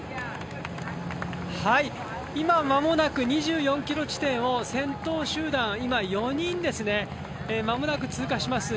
今、間もなく２４ｋｍ地点を先頭集団、今、４人ですね、間もなく通過します。